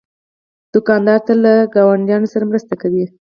دوکاندار تل له ګاونډیانو سره مرسته کوي.